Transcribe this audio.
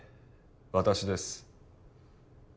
私です